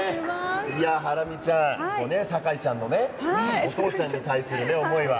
ハラミちゃん、酒井ちゃんのお父ちゃんに対する思いは。